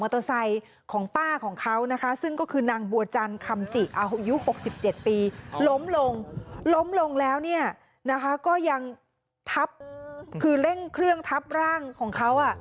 ทับคือเร่งเครื่องทับร่างของเขา